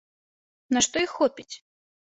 На што іх хопіць?